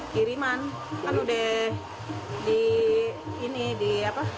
kiriman lalu deh di apa